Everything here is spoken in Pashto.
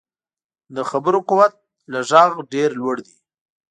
د خبرو قوت له غږ ډېر لوړ وي